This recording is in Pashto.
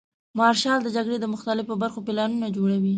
مارشال د جګړې د مختلفو برخو پلانونه جوړوي.